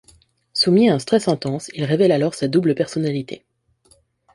Soumis à un stress intense, il révèle alors sa double personnalité.